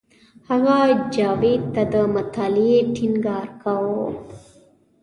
هغه جاوید ته د مطالعې ټینګار کاوه